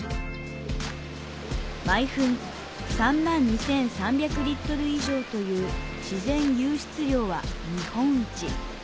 毎分３２，３００リットル以上という自然湧出量は日本一。